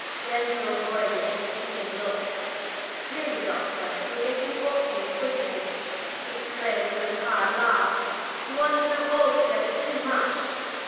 Denzil avoided his keen look. "Really, Doctor, you are getting awfully inquisitive!" he exclaimed with a hard laugh. "You want to know altogether too much!"